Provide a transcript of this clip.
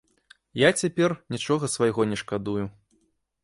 Я цяпер нічога свайго не шкадую.